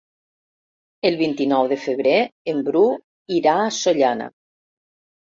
El vint-i-nou de febrer en Bru irà a Sollana.